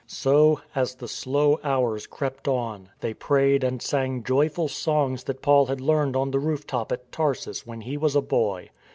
So, as the slow hours crept on, they prayed and sang joyful songs that Paul had learned on the roof top at Tarsus when he was a boy.